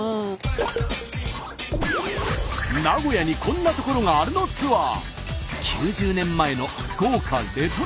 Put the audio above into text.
名古屋にこんなところがあるのツアー。